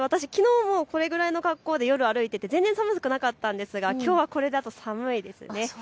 私きのうもこれぐらいの格好で夜歩いていて寒くなかったんですがきょうはこれだと寒いです。